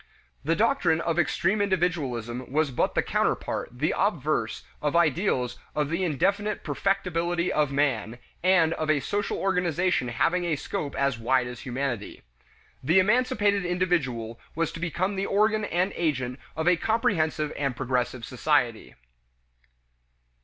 The doctrine of extreme individualism was but the counterpart, the obverse, of ideals of the indefinite perfectibility of man and of a social organization having a scope as wide as humanity. The emancipated individual was to become the organ and agent of a comprehensive and progressive society.